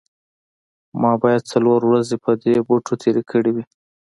ما باید څلور ورځې په دې بوټو تیرې کړې وي